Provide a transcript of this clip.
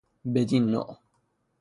بدین نوع